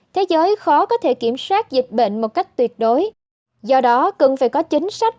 thế giới khó có thể kiểm soát dịch bệnh một cách tuyệt đối do đó cần phải có chính sách